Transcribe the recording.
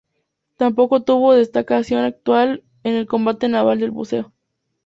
Tampoco tuvo destacada actuación en el Combate naval del Buceo.